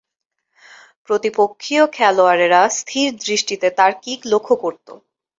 প্রতিপক্ষীয় খেলোয়াড়েরা স্থির দৃষ্টিতে তার কিক লক্ষ্য করতো।